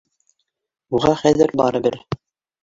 Уға хәҙер барыбер.